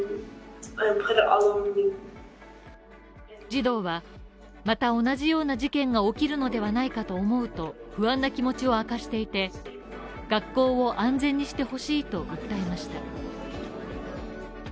児童はまた同じような事件が起きるのではないかと思うと不安な気持ちを明かしていて、学校を安全な場所にしてほしいと訴えました。